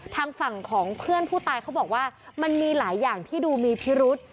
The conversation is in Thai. ทางฝั่งของเพื่อนผู้ตายเขาบอกว่ามันมีหลายอย่างที่ดูมีพิรุษ